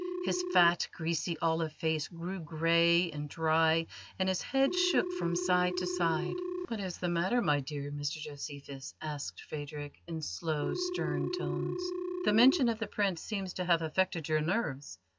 His fat, greasy, olive face grew grey and dry, and his head shook from side to side. "What is the matter, my dear Mr Josephus?" asked Phadrig, in slow, stern tones. "The mention of the Prince seems to have affected your nerves.